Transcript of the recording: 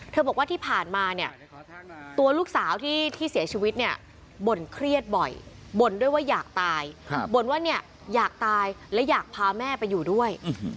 บอกว่าที่ผ่านมาเนี่ยตัวลูกสาวที่เสียชีวิตเนี่ยบ่นเครียดบ่อยบ่นด้วยว่าอยากตายบ่นว่าเนี่ยอยากตายและอยากพาแม่ไปอยู่ด้วย